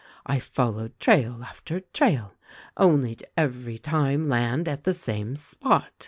I followed trail after trail only to every time land at the same spot.